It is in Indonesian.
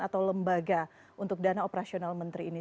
atau lembaga untuk dana operasional menteri ini